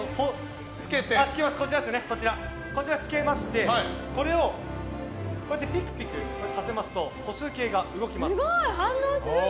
こちらをつけましてこれをピクピクさせますと歩数計が動きます。